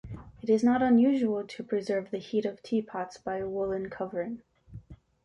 It is not unusual to preserve the heat of teapots by a woollen covering.